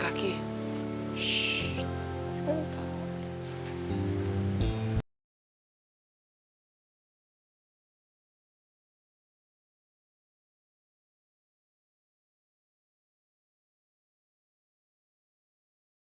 papi selamat suti